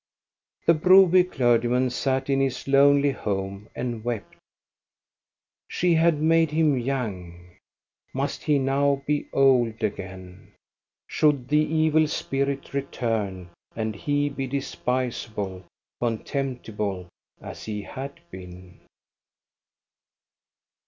The Broby clergyjnan sat in his lonely home and wept She had made him young. Must he now be old again? Should the evil spirit return and he be despicable, contemptible, as he had been?